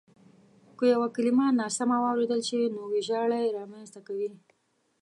که یوه کلیمه ناسمه واورېدل شي نو وېجاړی رامنځته کوي.